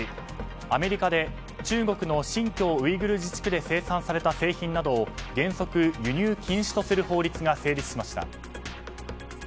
アメリカで中国の新疆ウイグル自治区で生産された製品などを原則、輸入禁止とする法律が成立しました。